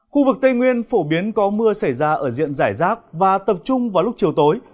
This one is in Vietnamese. khu vực tây nguyên phổ biến có mưa xảy ra ở diện giải rác và tập trung vào lúc chiều tối